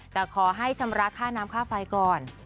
แต่ขอให้ชำระค่าน้ำค่าไฟก่อน